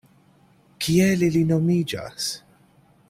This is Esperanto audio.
Kiel ili nomiĝas?